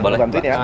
bisa bantuin ya